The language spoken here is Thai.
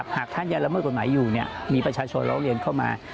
หากท่านยังละเมิดกฎหมายอยู่มีประชาชนร้องเรียนเข้ามา